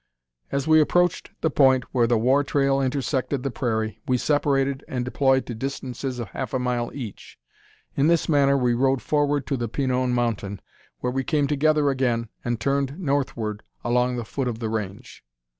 As we approached the point where the war trail intersected the prairie, we separated and deployed to distances of half a mile each. In this manner we rode forward to the Pinon mountain, where we came together again, and turned northward along the foot of the range.